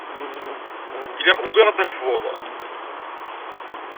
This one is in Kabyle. Ilaq wwiɣ-d akebbuḍ.